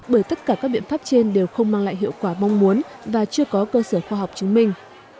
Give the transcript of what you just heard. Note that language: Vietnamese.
bởi tất cả các biện pháp trên đều không mang lại hiệu quả mong muốn và chưa có cơ sở khoa học chứng minh